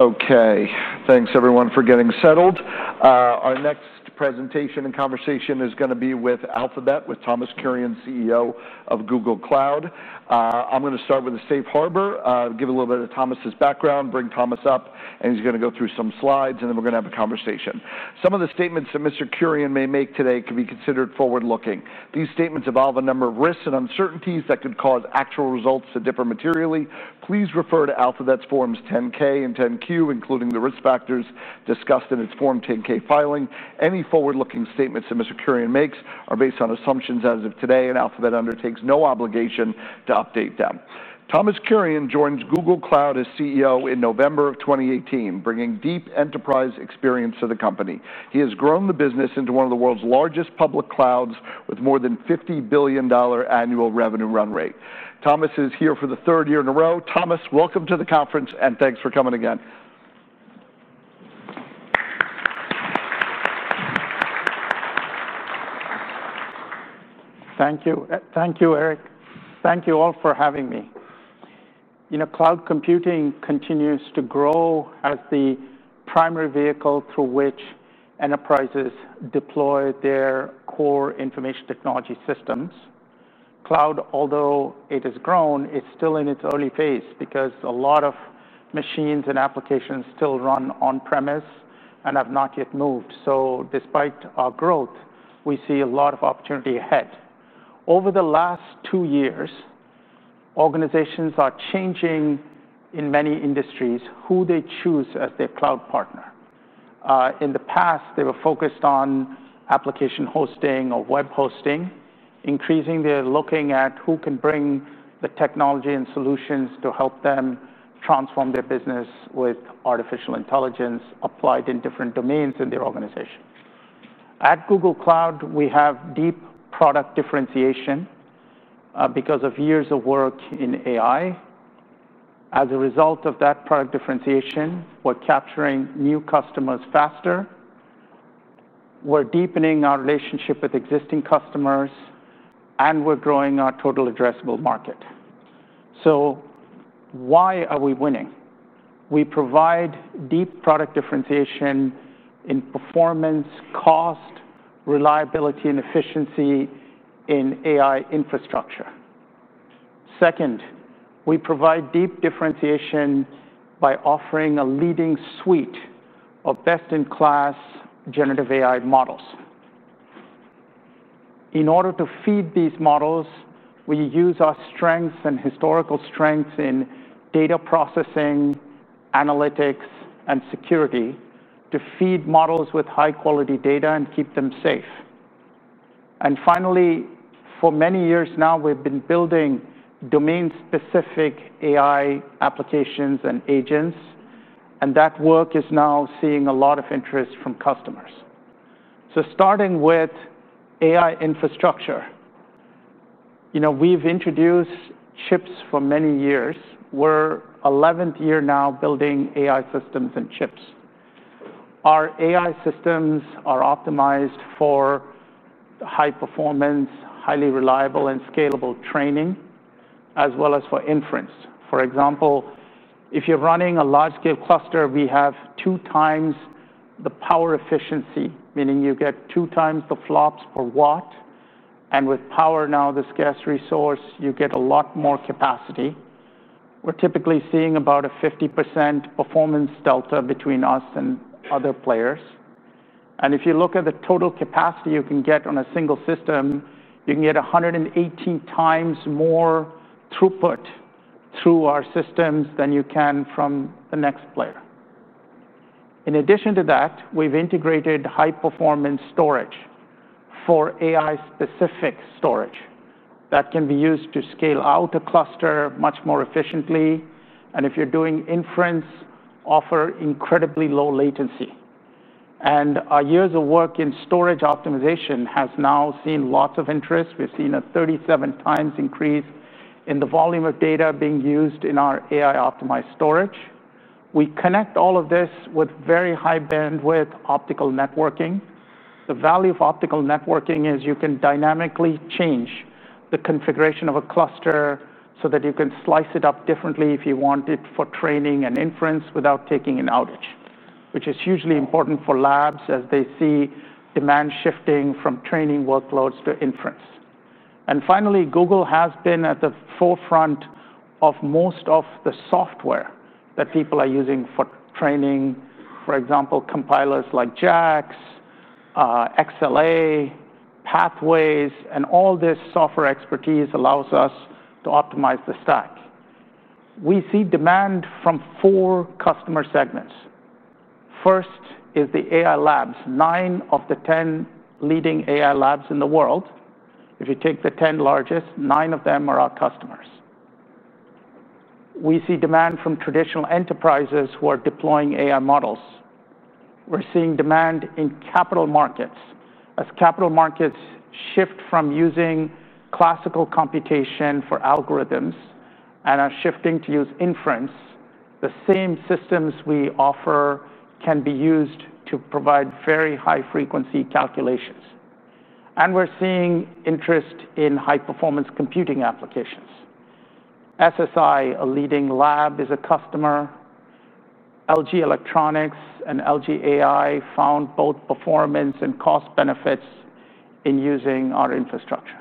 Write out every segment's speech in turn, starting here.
Okay. Thanks, everyone, for getting settled. Our next presentation and conversation is going to be with Alphabet, with Thomas Kurian, CEO of Google Cloud. I'm going to start with a safe harbor, give a little bit of Thomas' background, bring Thomas up, and he's going to go through some slides, and then we're going to have a conversation. Some of the statements that Mr. Kurian may make today can be considered forward-looking. These statements involve a number of risks and uncertainties that could cause actual results to differ materially. Please refer to Alphabet's Forms 10-K and 10-Q, including the risk factors discussed in its Form 10-K filing. Any forward-looking statements that Mr. Kurian makes are based on assumptions as of today, and Alphabet undertakes no obligation to update them. Thomas Kurian joined Google Cloud as CEO in November of 2018, bringing deep enterprise experience to the company. He has grown the business into one of the world's largest public clouds with more than a $50 billion annual revenue run rate. Thomas is here for the third year in a row. Thomas, welcome to the conference, and thanks for coming again. Thank you. Thank you, Eric. Thank you all for having me. You know, cloud computing continues to grow as the primary vehicle through which enterprises deploy their core information technology systems. Cloud, although it has grown, is still in its early phase because a lot of machines and applications still run on-premise and have not yet moved. Despite our growth, we see a lot of opportunity ahead. Over the last two years, organizations are changing in many industries who they choose as their cloud partner. In the past, they were focused on application hosting or web hosting. Increasingly, they're looking at who can bring the technology and solutions to help them transform their business with artificial intelligence applied in different domains in their organizatio`n. At Google Cloud, we have deep product differentiation because of years of work in AI. As a result of that product differentiation, we're capturing new customers faster, deepening our relationship with existing customers, and growing our total addressable market. Why are we winning? We provide deep product differentiation in performance, cost, reliability, and efficiency in AI infrastructure. Second, we provide deep differentiation by offering a leading suite of best-in-class generative AI models. In order to feed these models, we use our strengths and historical strengths in data processing, analytics, and security to feed models with high-quality data and keep them safe. Finally, for many years now, we've been building domain-specific AI applications and agents, and that work is now seeing a lot of interest from customers. Starting with AI infrastructure, we've introduced chips for many years. We're in the 11th year now building AI systems and chips. Our AI systems are optimized for high-performance, highly reliable, and scalable training, as well as for inference. For example, if you're running a large-scale cluster, we have 2x the power efficiency, meaning you get 2x the flops per watt. With power now, this scarce resource, you get a lot more capacity. We're typically seeing about a 50% performance delta between us and other players. If you look at the total capacity you can get on a single system, you can get 180x more throughput through our systems than you can from the next player. In addition to that, we've integrated high-performance storage for AI-specific storage that can be used to scale out a cluster much more efficiently. If you're doing inference, offer incredibly low latency. Our years of work in storage optimization have now seen lots of interest. We've seen a 37x increase in the volume of data being used in our AI-optimized storage. We connect all of this with very high bandwidth optical networking. The value of optical networking is you can dynamically change the configuration of a cluster so that you can slice it up differently if you want it for training and inference without taking an outage, which is hugely important for labs as they see demand shifting from training workloads to inference. Google has been at the forefront of most of the software that people are using for training. For example, compilers like JAX, XLA, Pathways, and all this software expertise allows us to optimize the stack. We see demand from four customer segments. First is the AI labs, nine of the 10 leading AI labs in the world. If you take the 10 largest, nine of them are our customers. We see demand from traditional enterprises who are deploying AI models. We're seeing demand in capital markets. As capital markets shift from using classical computation for algorithms and are shifting to use inference, the same systems we offer can be used to provide very high-frequency calculations. We're seeing interest in high-performance computing applications. SSI, a leading lab, is a customer. LG Electronics and LG AI found both performance and cost benefits in using our infrastructure.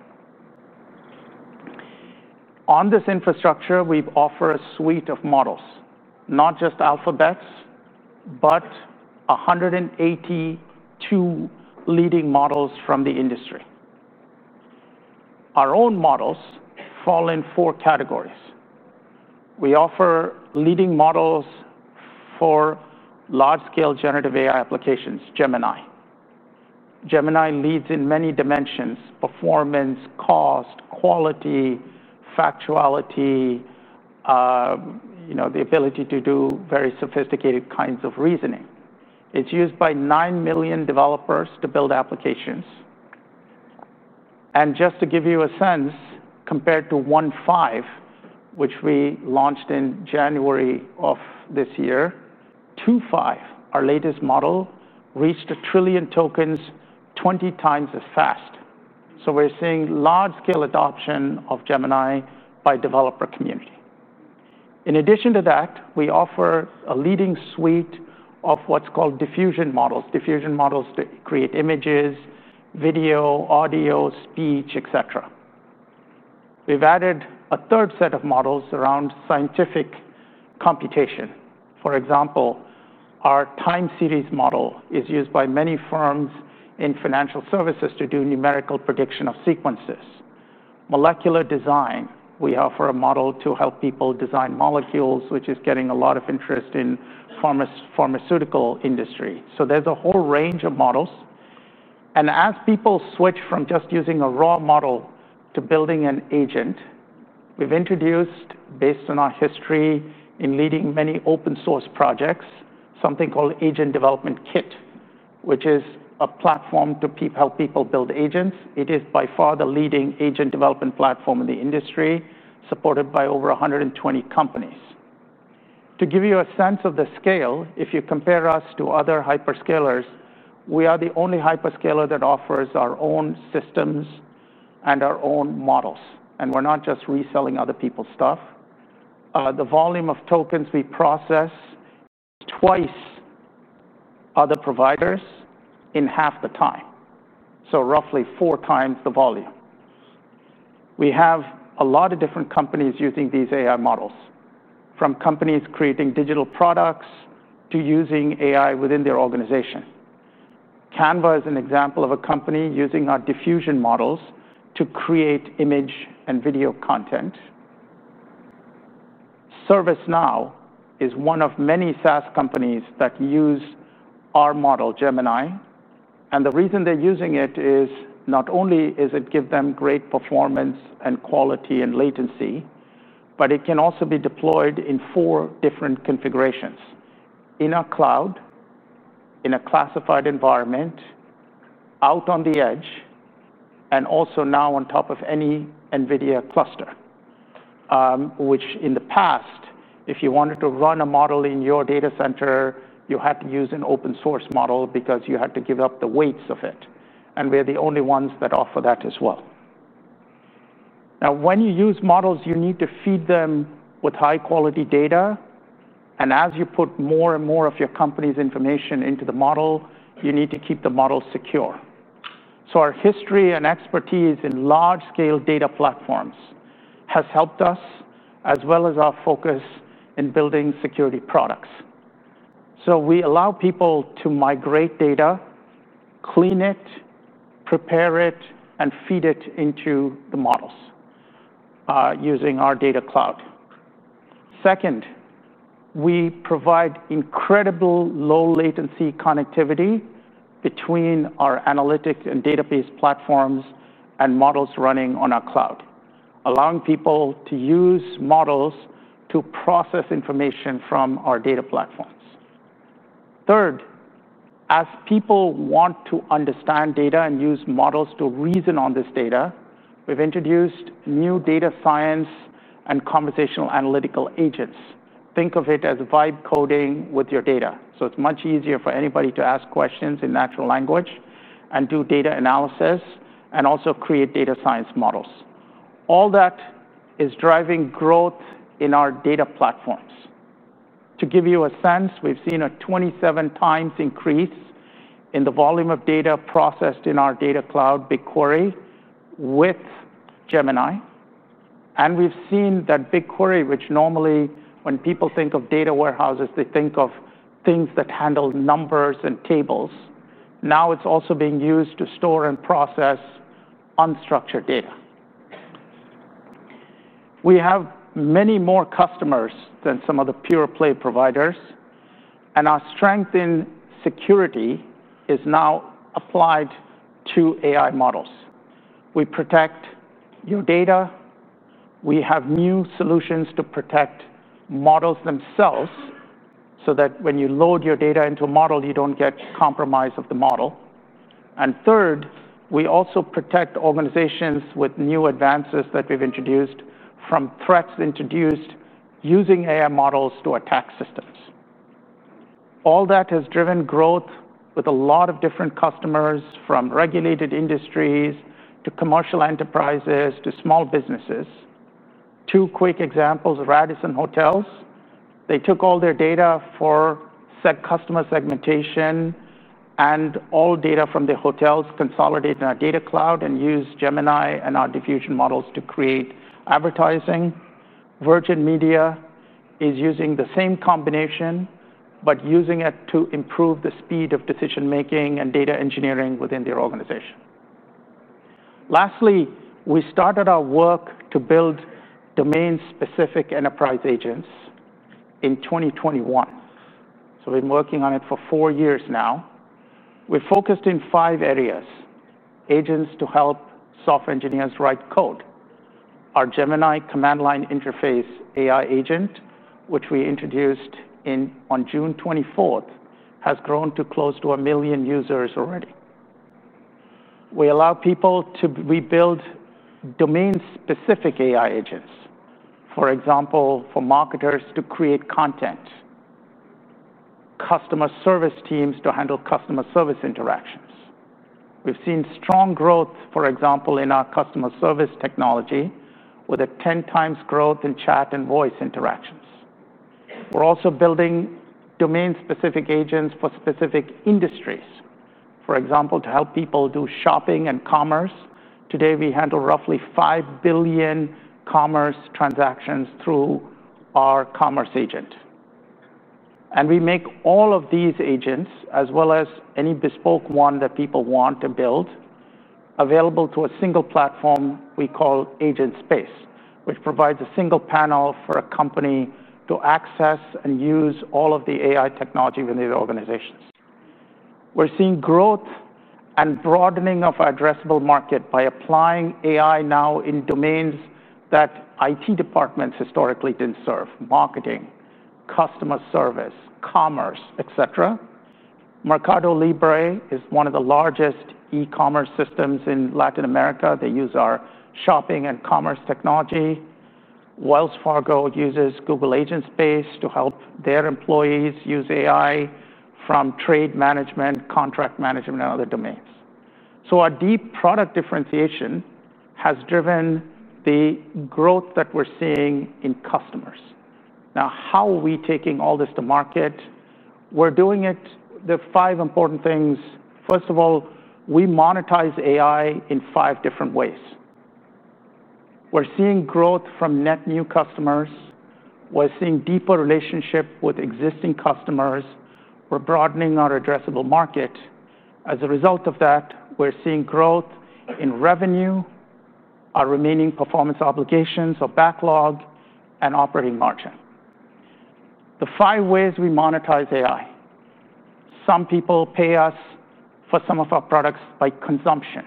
On this infrastructure, we offer a suite of models, not just Alphabet's, but 182 leading models from the industry. Our own models fall in four categories. We offer leading models for large-scale generative AI applications, Gemini. Gemini leads in many dimensions: performance, cost, quality, factuality, the ability to do very sophisticated kinds of reasoning. It's used by 9 million developers to build applications. Just to give you a sense, compared to 1.5, which we launched in January of this year, 2.5, our latest model, reached a trillion tokens 20x as fast. We're seeing large-scale adoption of Gemini by the developer community. In addition to that, we offer a leading suite of what's called diffusion models, diffusion models that create images, video, audio, speech, etc. We've added a third set of models around scientific computation. For example, our time series model is used by many firms in financial services to do numerical prediction of sequences. Molecular design, we offer a model to help people design molecules, which is getting a lot of interest in the pharmaceutical industry. There's a whole range of models. As people switch from just using a raw model to building an agent, we've introduced, based on our history in leading many open-source projects, something called Agent Development Kit, which is a platform to help people build agents. It is by far the leading agent development platform in the industry, supported by over 120 companies. To give you a sense of the scale, if you compare us to other hyperscalers, we are the only hyperscaler that offers our own systems and our own models. We're not just reselling other people's stuff. The volume of tokens we process is twice other providers in half the time, so roughly four times the volume. We have a lot of different companies using these AI models, from companies creating digital products to using AI within their organization. Canva is an example of a company using our diffusion models to create image and video content. ServiceNow is one of many SaaS companies that use our model, Gemini. The reason they're using it is not only does it give them great performance and quality and latency, but it can also be deployed in four different configurations: in a cloud, in a classified environment, out on the edge, and also now on top of any NVIDIA cluster, which in the past, if you wanted to run a model in your data center, you had to use an open-source model because you had to give up the weights of it. We're the only ones that offer that as well. When you use models, you need to feed them with high-quality data. As you put more and more of your company's information into the model, you need to keep the model secure. Our history and expertise in large-scale data platforms has helped us, as well as our focus in building security products. We allow people to migrate data, clean it, prepare it, and feed it into the models using our data cloud. Second, we provide incredible low-latency connectivity between our analytic and database platforms and models running on our cloud, allowing people to use models to process information from our data platforms. Third, as people want to understand data and use models to reason on this data, we've introduced new data science and conversational analytical agents. Think of it as vibe coding with your data. It is much easier for anybody to ask questions in natural language and do data analysis and also create data science models. All that is driving growth in our data platforms. To give you a sense, we've seen a 27x increase in the volume of data processed in our data cloud, BigQuery, with Gemini. We've seen that BigQuery, which normally, when people think of data warehouses, they think of things that handle numbers and tables, now is also being used to store and process unstructured data. We have many more customers than some of the pure-play providers. Our strength in security is now applied to AI models. We protect your data. We have new solutions to protect models themselves so that when you load your data into a model, you do not get compromised of the model. Third, we also protect organizations with new advances that we've introduced from threats introduced using AI models to attack systems. All that has driven growth with a lot of different customers, from regulated industries to commercial enterprises to small businesses. Two quick examples: Radisson Hotels took all their data for customer segmentation and all data from their hotels consolidated in our data cloud and used Gemini and our diffusion models to create advertising. Virgin Media is using the same combination but using it to improve the speed of decision-making and data engineering within their organization. Lastly, we started our work to build domain-specific enterprise agents in 2021. We've been working on it for four years now. We're focused in five areas: agents to help software engineers write code. Our Gemini command-line interface AI agent, which we introduced on June 24, has grown to close to a million users already. We allow people to rebuild domain-specific AI agents, for example, for marketers to create content, customer service teams to handle customer service interactions. We've seen strong growth, for example, in our customer service technology, with a 10x growth in chat and voice interactions. We're also building domain-specific agents for specific industries, for example, to help people do shopping and commerce. Today, we handle roughly 5 billion commerce transactions through our commerce agent. We make all of these agents, as well as any bespoke one that people want to build, available to a single platform we call Agents pace, which provides a single panel for a company to access and use all of the AI technology within their organizations. We're seeing growth and broadening of our addressable market by applying AI now in domains that IT departments historically didn't serve: marketing, customer service, commerce, etc. Mercado Libre is one of the largest e-commerce systems in Latin America. They use our shopping and commerce technology. Wells Fargo uses Google Agentspace to help their employees use AI from trade management, contract management, and other domains. Our deep product differentiation has driven the growth that we're seeing in customers. Now, how are we taking all this to market? There are five important things. First of all, we monetize AI in five different ways. We're seeing growth from net new customers. We're seeing a deeper relationship with existing customers. We're broadening our addressable market. As a result of that, we're seeing growth in revenue, our remaining performance obligations, our backlog, and operating margin. The five ways we monetize AI: some people pay us for some of our products by consumption.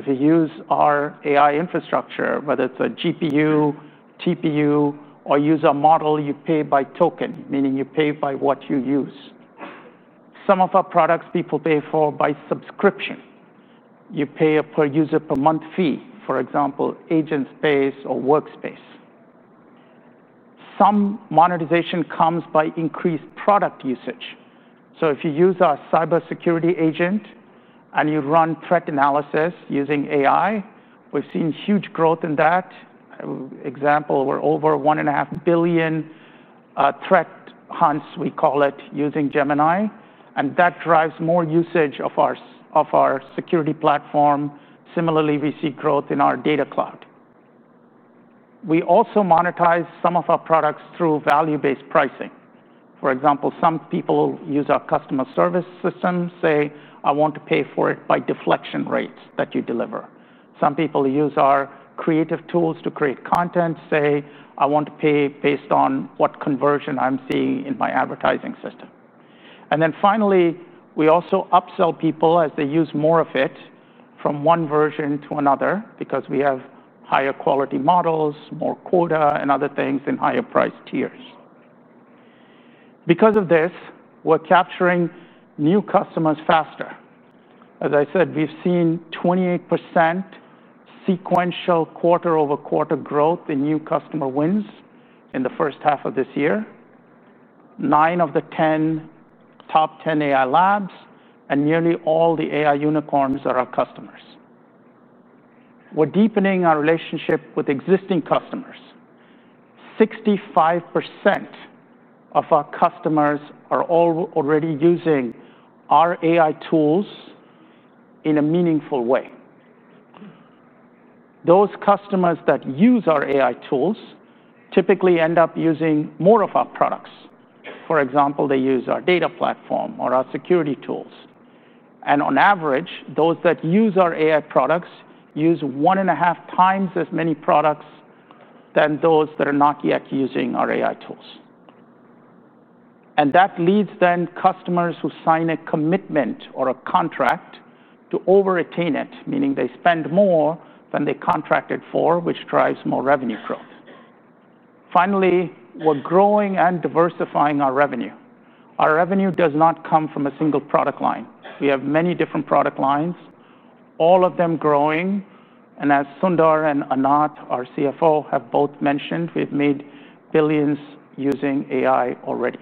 If you use our AI infrastructure, whether it's a GPU, TPU, or use our model, you pay by token, meaning you pay by what you use. Some of our products people pay for by subscription. You pay a per-user-per-month fee, for example, Agentspace or Workspace. Some monetization comes by increased product usage. If you use our cybersecurity agent and you run threat analysis using AI, we've seen huge growth in that. For example, we're over $1.5 billion threat hunts, we call it, using Gemini. That drives more usage of our security platform. Similarly, we see growth in our data cloud. We also monetize some of our products through value-based pricing. For example, some people use our customer service system, say, "I want to pay for it by deflection rates that you deliver." Some people use our creative tools to create content, say, "I want to pay based on what conversion I'm seeing in my advertising system." Finally, we also upsell people as they use more of it from one version to another because we have higher-quality models, more quota, and other things in higher-priced tiers. Because of this, we're capturing new customers faster. As I said, we've seen 28% sequential quarter-over-quarter growth in new customer wins in the first half of this year. Nine of the top 10 AI labs and nearly all the AI unicorns are our customers. We're deepening our relationship with existing customers. 65% of our customers are already using our AI tools in a meaningful way. Those customers that use our AI tools typically end up using more of our products. For example, they use our data platform or our security tools. On average, those that use our AI products use 1.5x as many products than those that are not yet using our AI tools. That leads customers who sign a commitment or a contract to over-attain it, meaning they spend more than they contracted for, which drives more revenue growth. Finally, we're growing and diversifying our revenue. Our revenue does not come from a single product line. We have many different product lines, all of them growing. As Sundar and Anat, our CFO, have both mentioned, we've made billions using AI already.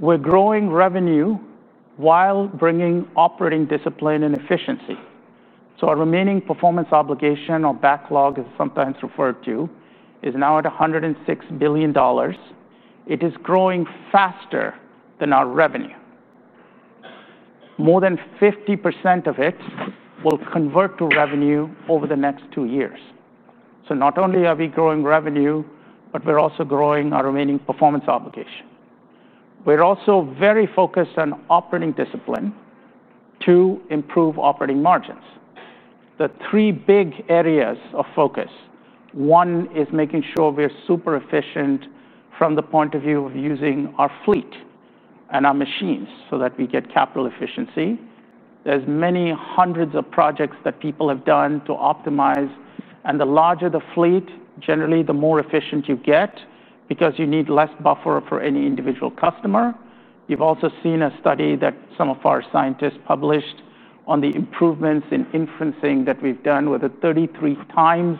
We're growing revenue while bringing operating discipline and efficiency. Our remaining performance obligation, or backlog, as it's sometimes referred to, is now at $106 billion. It is growing faster than our revenue. More than 50% of it will convert to revenue over the next two years. Not only are we growing revenue, but we're also growing our remaining performance obligation. We're also very focused on operating discipline to improve operating margins. The three big areas of focus, one is making sure we're super efficient from the point of view of using our fleet and our machines so that we get capital efficiency. There are many hundreds of projects that people have done to optimize. The larger the fleet, generally, the more efficient you get because you need less buffer for any individual customer. You've also seen a study that some of our scientists published on the improvements in inferencing that we've done with a 33x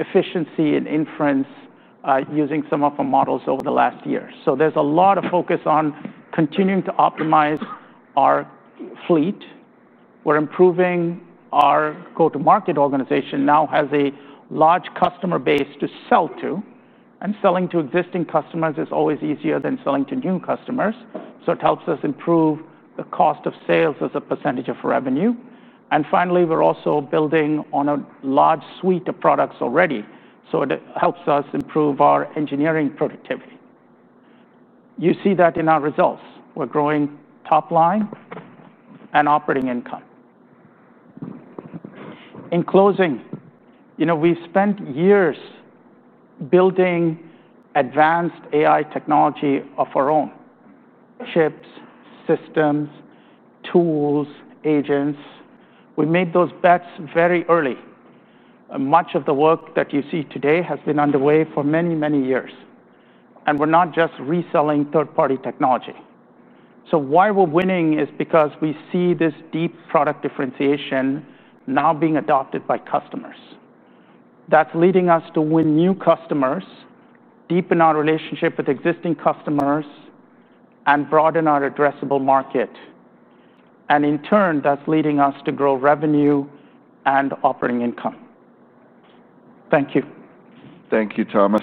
efficiency in inference using some of our models over the last year. There is a lot of focus on continuing to optimize our fleet. We're improving our go-to-market organization, which now has a large customer base to sell to. Selling to existing customers is always easier than selling to new customers. It helps us improve the cost of sales as a percentage of revenue. We're also building on a large suite of products already, so it helps us improve our engineering productivity. You see that in our results. We're growing top line and operating income. In closing, we've spent years building advanced AI technology of our own: chips, systems, tools, agents. We made those bets very early. Much of the work that you see today has been underway for many, many years. We're not just reselling third-party technology. Why we're winning is because we see this deep product differentiation now being adopted by customers. That's leading us to win new customers, deepen our relationship with existing customers, and broaden our addressable market. In turn, that's leading us to grow revenue and operating income. Thank you. Thank you, Thomas.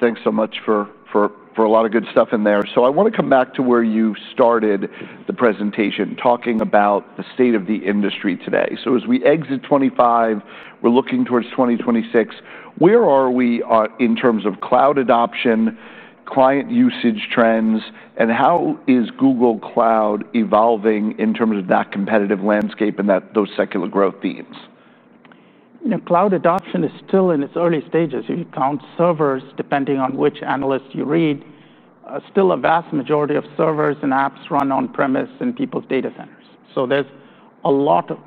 Thanks so much for a lot of good stuff in there. I want to come back to where you started the presentation, talking about the state of the industry today. As we exit 2025, we're looking towards 2026. Where are we in terms of cloud adoption, client usage trends, and how is Google Cloud evolving in terms of that competitive landscape and those secular growth themes? Cloud adoption is still in its early stages. If you count servers, depending on which analyst you read, still a vast majority of servers and apps run on-premise in people's data centers. There's a lot of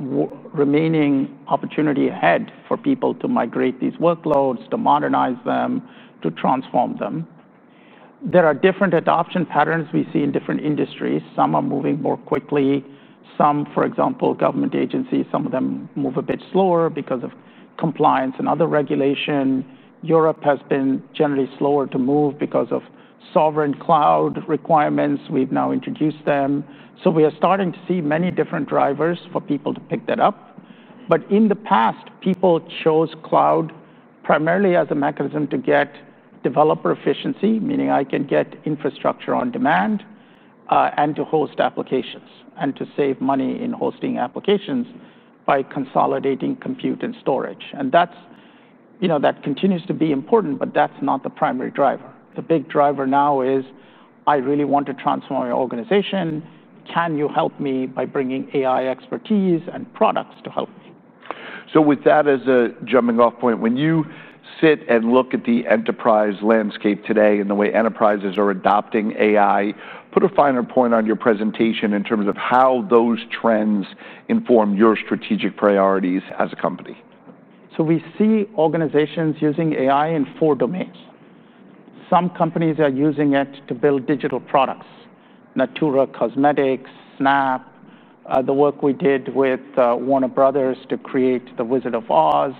remaining opportunity ahead for people to migrate these workloads, to modernize them, to transform them. There are different adoption patterns we see in different industries. Some are moving more quickly. Some, for example, government agencies, some of them move a bit slower because of compliance and other regulation. Europe has been generally slower to move because of sovereign cloud requirements. We've now introduced them. We are starting to see many different drivers for people to pick that up. In the past, people chose cloud primarily as a mechanism to get developer efficiency, meaning I can get infrastructure on demand and to host applications and to save money in hosting applications by consolidating compute and storage. That continues to be important, but that's not the primary driver. The big driver now is, I really want to transform my organization. Can you help me by bringing AI expertise and products to help me? With that as a jumping-off point, when you sit and look at the enterprise landscape today and the way enterprises are adopting AI, put a finer point on your presentation in terms of how those trends inform your strategic priorities as a company. We see organizations using AI in four domains. Some companies are using it to build digital products: Natura Cosmetics, SNAP, the work we did with Warner Brothers to create The Wizard of Oz.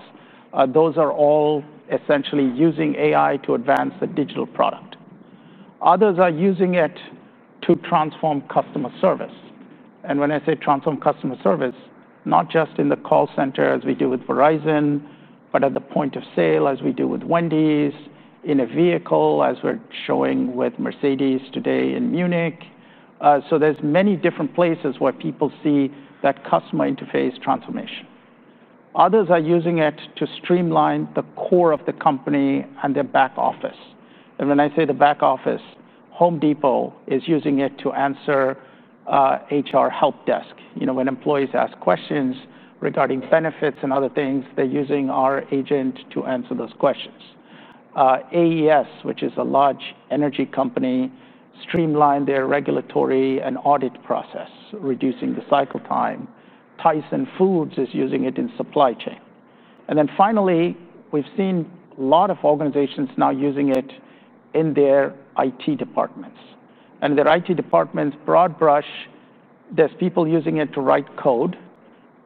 Those are all essentially using AI to advance a digital product. Others are using it to transform customer service. When I say transform customer service, not just in the call center as we do with Verizon, but at the point of sale as we do with Wendy's, in a vehicle as we're showing with Mercedes today in Munich. There are many different places where people see that customer interface transformation. Others are using it to streamline the core of the company and their back office. When I say the back office, Home Depot is using it to answer HR help desk. When employees ask questions regarding benefits and other things, they're using our agent to answer those questions. AES, which is a large energy company, streamlined their regulatory and audit process, reducing the cycle time. Tyson Foods is using it in supply chain. Finally, we've seen a lot of organizations now using it in their IT departments. In their IT departments, broad brush, there's people using it to write code,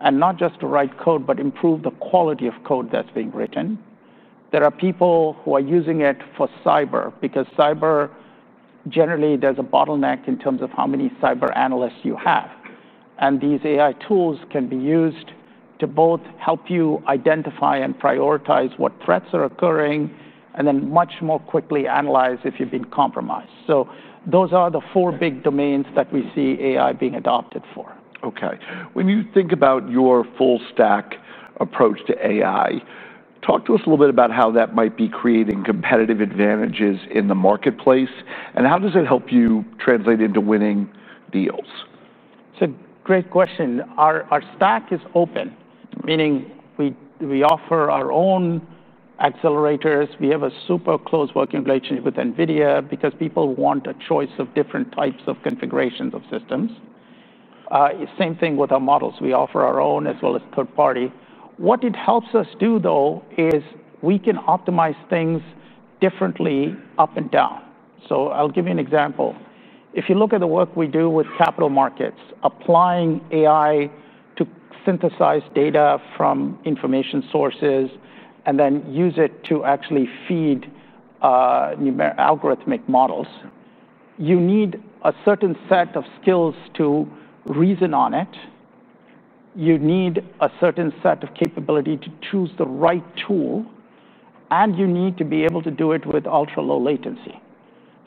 and not just to write code, but improve the quality of code that's being written. There are people who are using it for cyber because cyber generally, there's a bottleneck in terms of how many cyber analysts you have. These AI tools can be used to both help you identify and prioritize what threats are occurring and then much more quickly analyze if you've been compromised. Those are the four big domains that we see AI being adopted for. OK. When you think about your full-stack approach to AI, talk to us a little bit about how that might be creating competitive advantages in the marketplace, and how does it help you translate into winning deals. It's a great question. Our stack is open, meaning we offer our own accelerators. We have a super close working relationship with NVIDIA because people want a choice of different types of configurations of systems. Same thing with our models. We offer our own as well as third party. What it helps us do, though, is we can optimize things differently up and down. I'll give you an example. If you look at the work we do with capital markets, applying AI to synthesize data from information sources and then use it to actually feed algorithmic models, you need a certain set of skills to reason on it. You need a certain set of capability to choose the right tool. You need to be able to do it with ultra-low latency.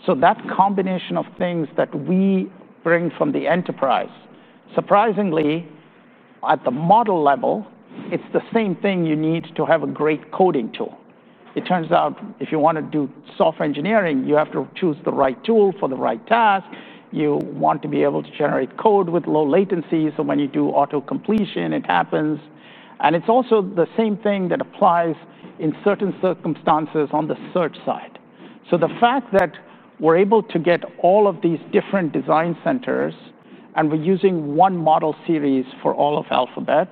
That combination of things that we bring from the enterprise, surprisingly, at the model level, it's the same thing you need to have a great coding tool. It turns out if you want to do software engineering, you have to choose the right tool for the right task. You want to be able to generate code with low latency, so when you do auto-completion, it happens. It's also the same thing that applies in certain circumstances on the search side. The fact that we're able to get all of these different design centers and we're using one model series for all of Alphabet,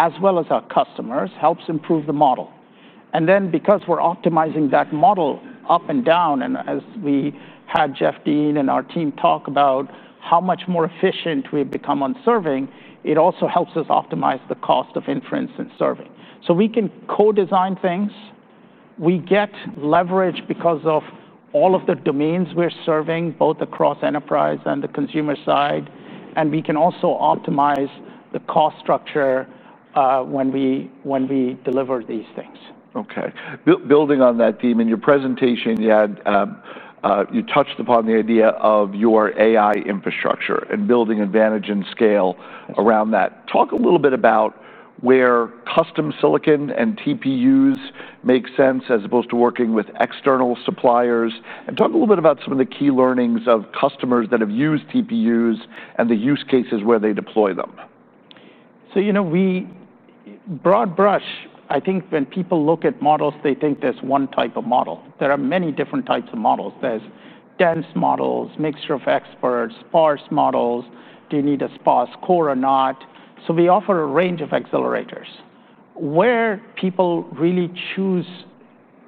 as well as our customers, helps improve the model. Because we're optimizing that model up and down, and as we had Jeff Dean and our team talk about how much more efficient we've become on serving, it also helps us optimize the cost of inference and serving. We can co-design things. We get leverage because of all of the domains we're serving, both across enterprise and the consumer side. We can also optimize the cost structure when we deliver these things. OK. Building on that theme in your presentation, you touched upon the idea of your AI infrastructure and building advantage and scale around that. Talk a little bit about where custom silicon and TPUs make sense as opposed to working with external suppliers. Talk a little bit about some of the key learnings of customers that have used TPUs and the use cases where they deploy them. Broad brush, I think when people look at models, they think there's one type of model. There are many different types of models. There's dense models, mixture of experts, sparse models. Do you need a sparse core or not? We offer a range of accelerators where people really choose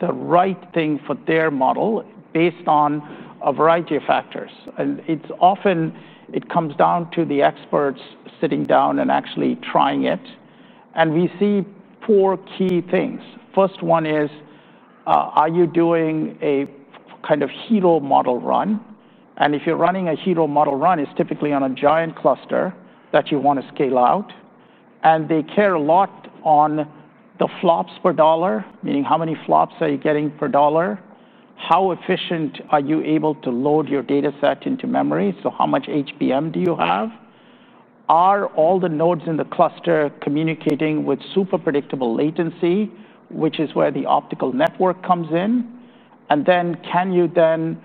the right thing for their model based on a variety of factors. It often comes down to the experts sitting down and actually trying it. We see four key things. First one is, are you doing a kind of hero model run? If you're running a hero model run, it's typically on a giant cluster that you want to scale out. They care a lot on the flops per dollar, meaning how many flops are you getting per dollar? How efficient are you able to load your data set into memory? How much HBM do you have? Are all the nodes in the cluster communicating with super predictable latency, which is where the optical network comes in? Can you then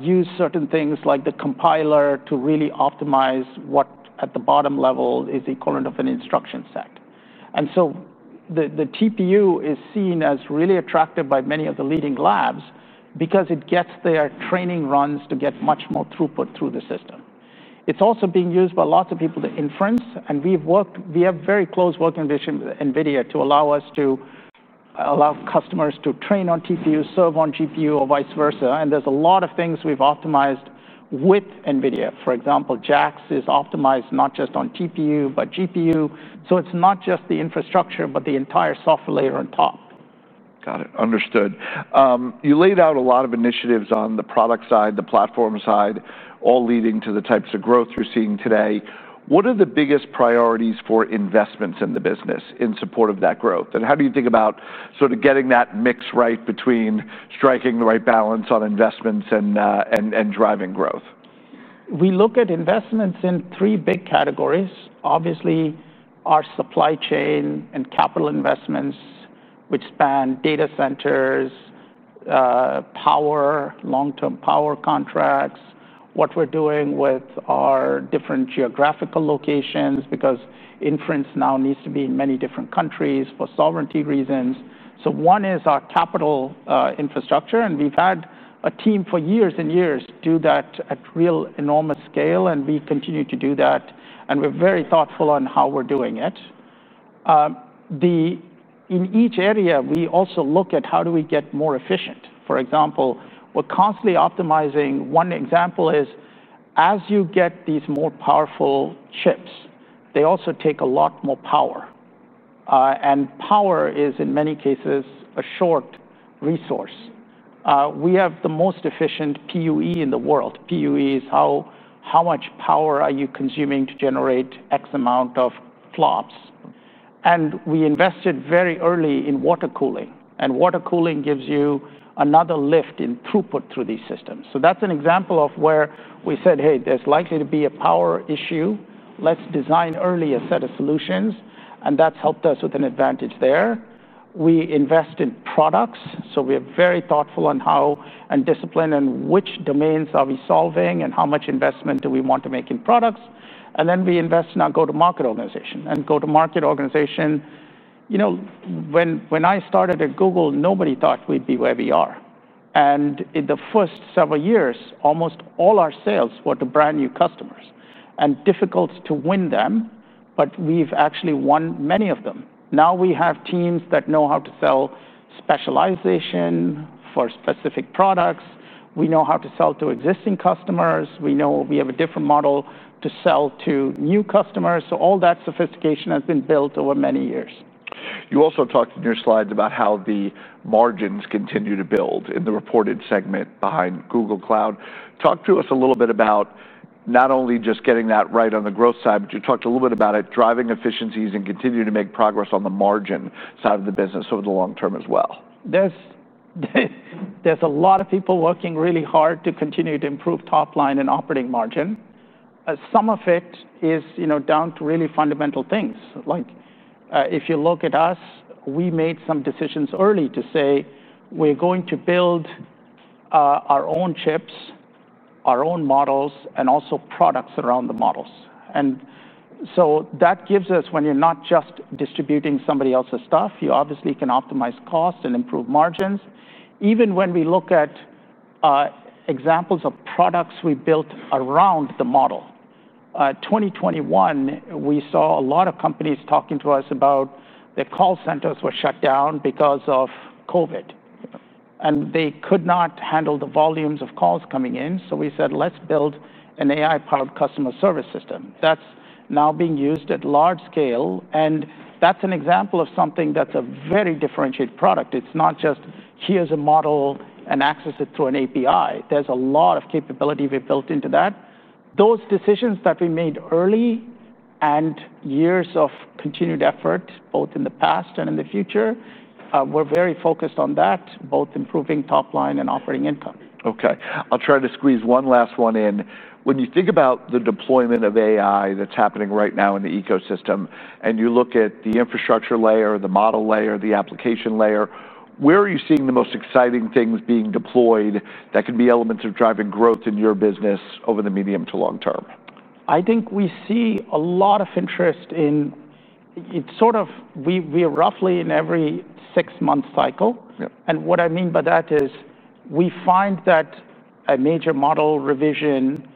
use certain things like the compiler to really optimize what at the bottom level is the equivalent of an instruction set? The TPU is seen as really attractive by many of the leading labs because it gets their training runs to get much more throughput through the system. It's also being used by lots of people to inference. We have very close working relationships with NVIDIA to allow customers to train on TPUs, serve on GPU, or vice versa. There's a lot of things we've optimized with NVIDIA. For example, JAX is optimized not just on TPU but GPU. It's not just the infrastructure but the entire software layer on top. Got it. Understood. You laid out a lot of initiatives on the product side, the platform side, all leading to the types of growth we're seeing today. What are the biggest priorities for investments in the business in support of that growth? How do you think about sort of getting that mix right between striking the right balance on investments and driving growth? We look at investments in three big categories. Obviously, our supply chain and capital investments, which span data centers, power, long-term power contracts, what we're doing with our different geographical locations because inference now needs to be in many different countries for sovereignty reasons. One is our capital infrastructure. We've had a team for years and years do that at real, enormous scale. We continue to do that, and we're very thoughtful on how we're doing it. In each area, we also look at how do we get more efficient. For example, we're constantly optimizing. One example is, as you get these more powerful chips, they also take a lot more power, and power is, in many cases, a short resource. We have the most efficient PUE in the world. PUE is how much power are you consuming to generate x amount of flops. We invested very early in water cooling, and water cooling gives you another lift in throughput through these systems. That's an example of where we said, hey, there's likely to be a power issue. Let's design early a set of solutions, and that's helped us with an advantage there. We invest in products, so we are very thoughtful on how and discipline and which domains are we solving and how much investment do we want to make in products. We invest in our go-to-market organization. Go-to-market organization, you know, when I started at Google, nobody thought we'd be where we are. In the first several years, almost all our sales were to brand new customers. Difficult to win them, but we've actually won many of them. Now we have teams that know how to sell specialization for specific products. We know how to sell to existing customers. We know we have a different model to sell to new customers. All that sophistication has been built over many years. You also talked in your slides about how the margins continue to build in the reported segment behind Google Cloud. Talk to us a little bit about not only just getting that right on the growth side, but you talked a little bit about it driving efficiencies and continuing to make progress on the margin side of the business over the long term as well. There's a lot of people working really hard to continue to improve top line and operating margin. Some of it is down to really fundamental things. Like if you look at us, we made some decisions early to say we're going to build our own chips, our own models, and also products around the models. That gives us, when you're not just distributing somebody else's stuff, you obviously can optimize cost and improve margins. Even when we look at examples of products we built around the model, in 2021, we saw a lot of companies talking to us about their call centers were shut down because of COVID. They could not handle the volumes of calls coming in. We said, let's build an AI-powered customer service system. That's now being used at large scale. That's an example of something that's a very differentiated product. It's not just here's a model and access it through an API. There's a lot of capability we've built into that. Those decisions that we made early and years of continued effort, both in the past and in the future, we're very focused on that, both improving top line and operating income. OK. I'll try to squeeze one last one in. When you think about the deployment of AI that's happening right now in the ecosystem, and you look at the infrastructure layer, the model layer, the application layer, where are you seeing the most exciting things being deployed that can be elements of driving growth in your business over the medium to long term? I think we see a lot of interest in it. It's sort of we are roughly in every six-month cycle. What I mean by that is we find that a major model revision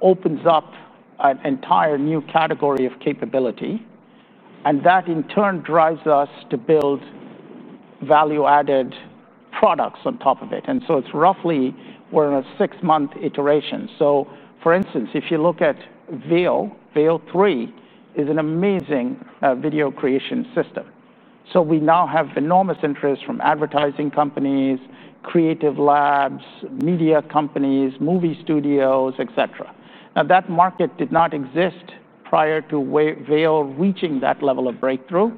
opens up an entire new category of capability. That, in turn, drives us to build value-added products on top of it. It's roughly we're in a six-month iteration. For instance, if you look at Veo, Veo 3 is an amazing video creation system. We now have enormous interest from advertising companies, creative labs, media companies, movie studios, et cetera. That market did not exist prior to Veil reaching that level of breakthrough.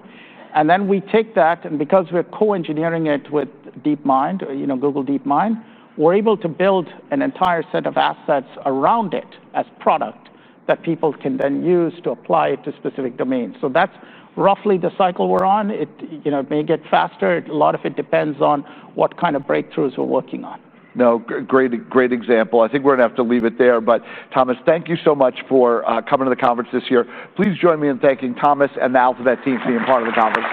We take that, and because we're co-engineering it with Google DeepMind, we're able to build an entire set of assets around it as product that people can then use to apply it to specific domains. That's roughly the cycle we're on. It may get faster. A lot of it depends on what kind of breakthroughs we're working on. No, great example. I think we're going to have to leave it there. Thomas, thank you so much for coming to the conference this year. Please join me in thanking Thomas and the Alphabet team for being part of the conference.